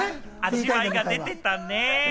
味わいが出てたね。